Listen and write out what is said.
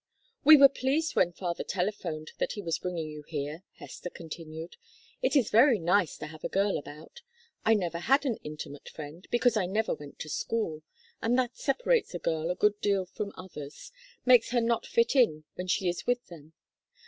"We were pleased when father telephoned that he was bringing you here," Hester continued. "It is very nice to have a girl about; I never had an intimate friend, because I never went to school, and that separates a girl a good deal from others makes her not fit in when she is with them.